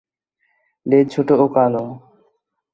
লেজ ছোট ও কালো।